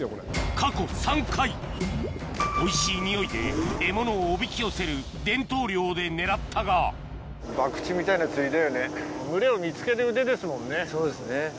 過去３回おいしい匂いで獲物をおびき寄せる伝統漁で狙ったがそうですね。